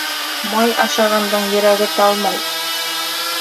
Май ашағандың йөрәге талмай.